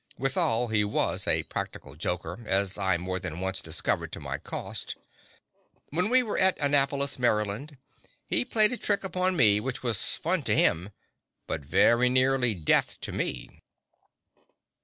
Withal, he was a practical joker, as I more than once discovered to my cost. While we were at Annapolis, Maryland, he played a trick upon me which was fun to him, but was very nearly death to me.